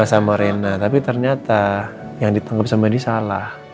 sama rena tapi ternyata yang ditanggep sama dia salah